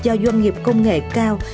cho doanh nghiệp công nghệ cao